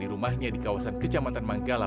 di rumahnya di kawasan kecamatan manggala